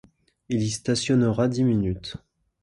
Il y stationnera dix minutes.